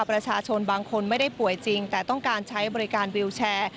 ประชาชนบางคนไม่ได้ป่วยจริงแต่ต้องการใช้บริการวิวแชร์